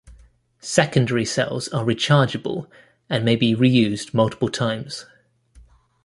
Secondary cells are rechargeable, and may be reused multiple times.